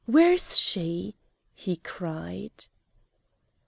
Where is she?" he cried.